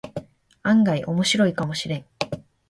案外オモシロイかもしれん